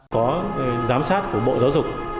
có giám sát của bộ giáo dục